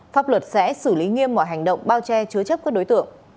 pháp luật sẽ xử lý nghiêm mọi hành động bao che chứa chấp các đối tượng